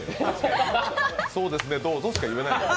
そうですね、どうぞとしか言えないやん。